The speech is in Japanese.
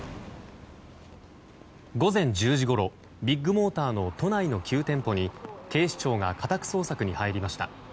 午前１０時ごろビッグモーターの都内の９店舗に警視庁が家宅捜索に入りました。